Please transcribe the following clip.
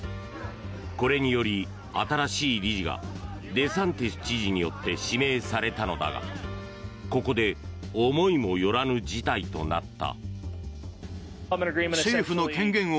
これにより、新しい理事がデサンティス知事によって指名されたのだが、ここで思いもよらぬ事態となった。